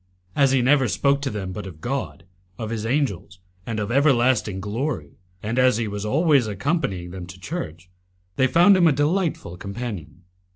As he never spoke to them but of God, of His angels, and of everlasting glory, and as he was always accompanying them to church, they found him a delightful companion.